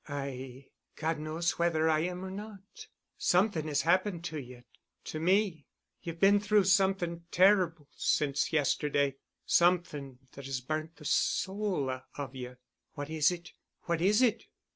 "I—God knows whether I am or not. Something has happened to you—to me.... You've been through something terrible—since yesterday—something that has burnt the soul of you. What is it? What is it?